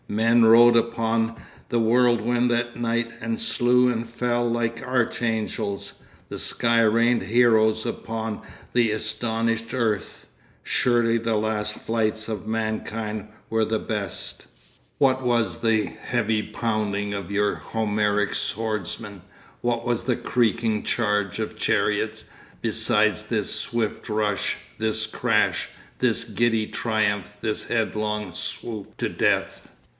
Men rode upon the whirlwind that night and slew and fell like archangels. The sky rained heroes upon the astonished earth. Surely the last fights of mankind were the best. What was the heavy pounding of your Homeric swordsmen, what was the creaking charge of chariots, beside this swift rush, this crash, this giddy triumph, this headlong swoop to death?